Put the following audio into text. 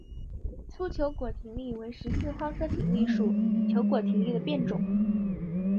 粗球果葶苈为十字花科葶苈属球果葶苈的变种。